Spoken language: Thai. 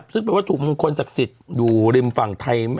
ซึ่งเป็นวัตถุมงคลศักดิ์สิทธิ์อยู่ริมฝั่งไทย